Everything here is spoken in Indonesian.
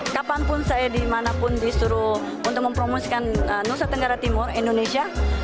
kapanpun saya dimanapun disuruh untuk mempromosikan nusa tenggara timur indonesia